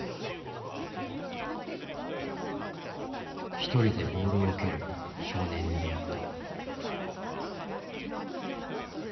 一人でボールを蹴る少年に出会った。